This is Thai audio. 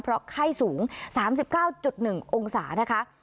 เพราะไข้สูง๓๙๑องศานะคะ